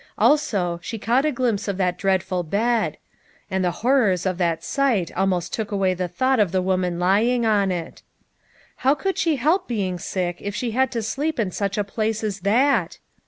Also she caught a glimpse of that dreadful bed ; and the horrors of that sight almost took 32 LITTLE FISHERS: AND THEIR NETS. away the thought of the woman lying on it. How could she help being sick if she had to sleep in such a place as that